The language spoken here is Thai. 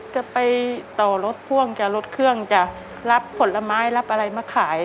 จะไปต่อรถพ่วงจะลดเครื่องจะรับผลไม้รับอะไรมาขาย